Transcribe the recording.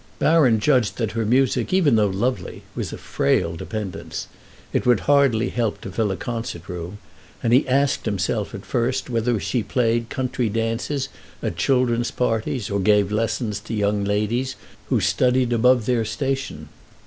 Baron judged that her music, even though lovely, was a frail dependence; it would hardly help to fill a concert room, and he asked himself at first whether she played country dances at children's parties or gave lessons to young ladies who studied above their station.